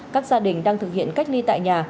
các gia đình đang thực hiện cách ly tại nhà